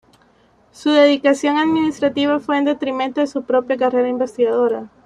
Su dedicación administrativa fue en detrimento de su propia carrera investigadora.